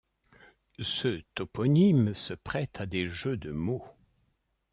Ce toponyme se prête à des jeux de mots.